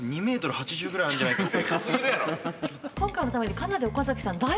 今回のためにかなり岡崎さん